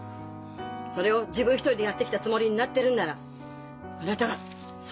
それを自分一人でやってきたつもりになってるんならあなたは相当なバカ。